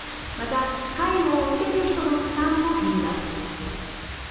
また介護を受ける人の負担も減ります。